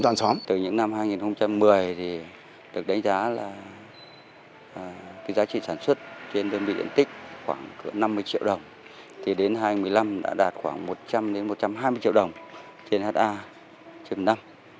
thì đến hai nghìn một mươi năm đã đạt khoảng một trăm linh một trăm hai mươi triệu đồng trên hta